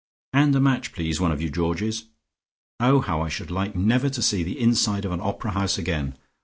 And a match please, one of you Georgies. Oh, how I should like never to see the inside of an Opera House again.